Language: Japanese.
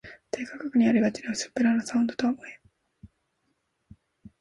低価格にありがちな薄っぺらなサウンドとは無縁